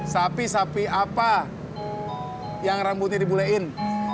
sapi sapi apa yang rambutnya dibulein